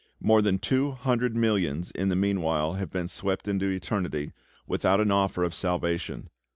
More than two hundred millions in the meanwhile have been swept into eternity, without an offer of salvation.